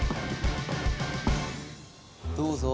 どうぞ。